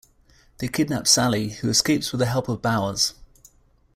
They kidnap Sally, who escapes with the help of Bowers.